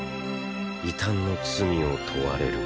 異端の罪を問われるボン。